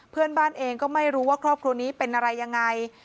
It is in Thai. เพื่อนบ้านเองก็ไม่รู้ว่าครอบครัวนี้เป็นอะไรยังไง